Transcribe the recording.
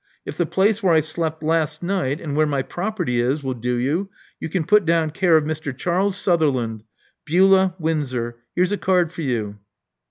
If the place where I slept last night, and where my property is, will do you, you can put down care of Mr. Charles Sutherland, Beulah, Windsor. Here*s a card for you.'